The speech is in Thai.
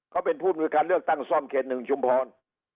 เขาเป็นผู้มนุยการเลือกตั้งซ่อมเขต๑ชุมพร